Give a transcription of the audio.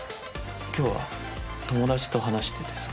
今日は友達と話しててさ。